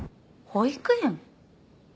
保育園？